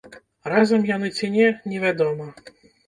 Разам яны ці не, невядома.